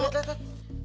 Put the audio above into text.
tuh lihat lihat